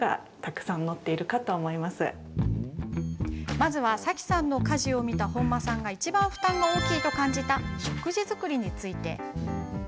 まずは、さきさんの家事を見た本間さんがいちばん負担が大きいと感じた食事作りについて。